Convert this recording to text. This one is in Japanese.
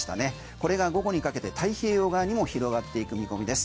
これが午後にかけて太平洋側にも広がっていく見込みです。